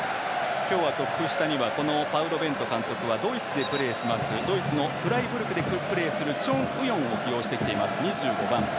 今日はトップ下にはパウロ・ベント監督はドイツのフライブルクでプレーするチョン・ウヨンを起用してきています、２５番。